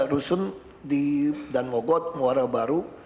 tiga rusun di danmogot muara baru